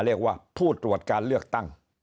เรียกว่าผู้ตรวจการเลือกตั้ง